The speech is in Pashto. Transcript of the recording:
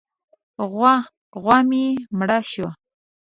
غوا مې مړه شوه.